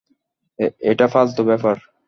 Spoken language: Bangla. এটা ফালতু ব্যাপার।